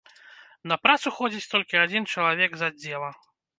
На працу ходзіць толькі адзін чалавек з аддзела.